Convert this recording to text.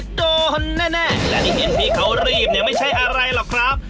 และที่เห็นพี่เขารีบไม่ใช่อะไรหรอกครับ